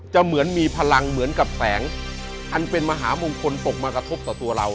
เหมือนมีพลังเหมือนกับแสงอันเป็นมหามงคลตกมากระทบต่อตัวเรา